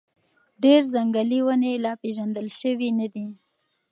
ډېر ځنګلي ونې لا پېژندل شوي نه دي.